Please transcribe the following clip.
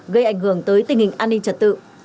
gây ảnh hưởng tới tình hình an ninh trật tự